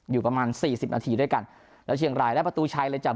อยู่ประมาณสี่สิบนาทีด้วยกันแล้วเชียงรายได้ประตูชัยเลยจับ